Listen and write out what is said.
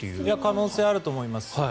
可能性あると思います。